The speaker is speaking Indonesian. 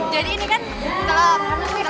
jadi ini kan telap